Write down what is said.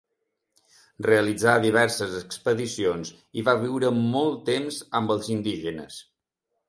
Realitzà diverses expedicions i va viure molt temps amb els indígenes.